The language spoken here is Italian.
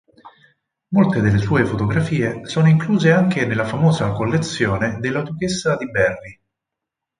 Molte delle sue fotografie sono incluse anche nella famosa collezione della duchessa di Berry.